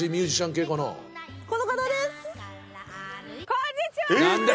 こんにちは！